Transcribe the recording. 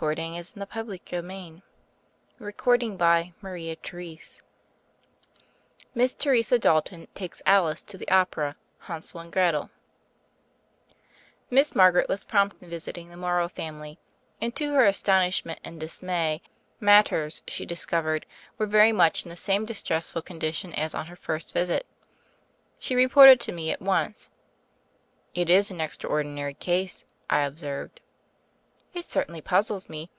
Sanders paid it out of her own pocket CHAPTER V MISS TERESA DALTON TAKES ALICE TO THE OPERA ''hansel and GRETEL'' TV/T ISS MARGARET was prompt in visiting ^^^ the Morrow family, and to her astonish ment and dismay matters, she discovered, were very much in the same distressful condition as on ner first visit. She reported to me at once. "It is an extraordinary case," I observed. "It certainly puzzles me.